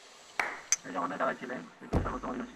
সেই যামানায় তারাই ছিলেন পৃথিবীর সর্বোত্তম অধিবাসী।